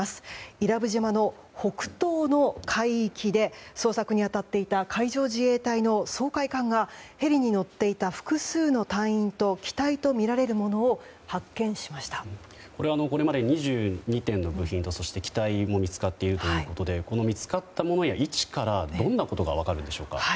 伊良部島の北東の海域で捜索に当たっていた海上自衛隊の掃海艦がヘリに乗っていた複数の隊員と機体とみられるものをこれまで２２点の部品と機体も見つかっているということで、見つかったものや位置からどんなことが分かるでしょうか。